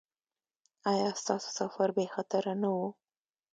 ایا ستاسو سفر بې خطره نه و؟